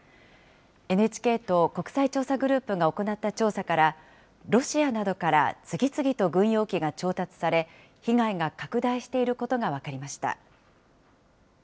ＮＨＫと国際調査グループが行った調査から、ロシアなどから次々と軍用機が調達され、被害が拡大していること